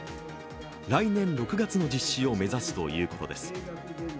来年６月の実施を目指すということです。